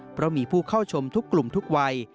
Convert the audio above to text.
เพราะมีผู้เข้าชมทุกกลุ่มทุกวัย